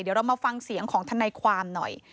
เดี๋ยวเรามาฟังเสียงของทนายความหน่อย